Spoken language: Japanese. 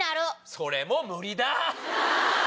それも無理だ！